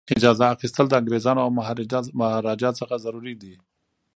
اجازه اخیستل د انګریزانو او مهاراجا څخه ضروري دي.